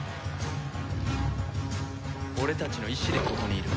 俺たちの意思でここにいる。